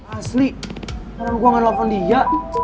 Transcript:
asli karena gue gak nelfon dia